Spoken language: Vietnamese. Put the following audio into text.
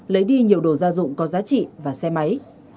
lấy đi nhiều đồ gia dụng có giá trị và xe máy